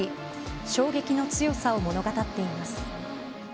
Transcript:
衝撃の強さを物語っています。